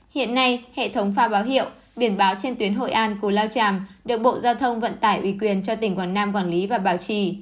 hiện nay hệ thống phao báo hiệu biển báo trên tuyến hội an cù lao tràm được bộ giao thông vận tải ủy quyền cho tỉnh quảng nam quản lý và bảo trì